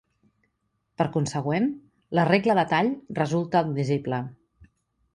Per consegüent, la regla de tall resulta admissible.